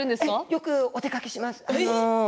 よくお出かけします。